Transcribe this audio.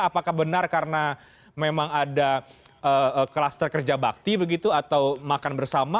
apakah benar karena memang ada kluster kerja bakti begitu atau makan bersama